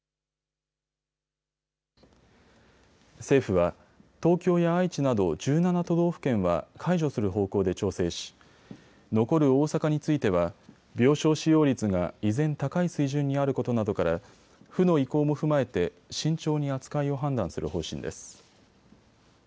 政府は東京や愛知など１７都道府県は解除する方向で調整し残る大阪については病床使用率が依然高い水準にあることなどから府の意向も踏まえて慎重に扱いを判断する方針です。